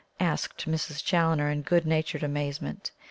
asked Mrs. Challoner in good natured amazement.